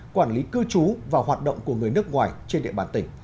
quản lý cư trú và hoạt động của người nước ngoài trên địa bàn tỉnh